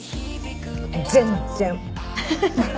全然！